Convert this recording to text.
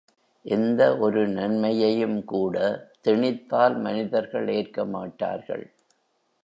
எந்த ஒரு நன்மையும் கூட திணித்தால் மனிதர்கள் ஏற்கமாட்டார்கள்.